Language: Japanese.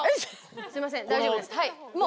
すいません大丈夫です。